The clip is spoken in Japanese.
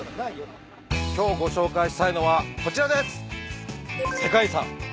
今日ご紹介したいのはこちらです！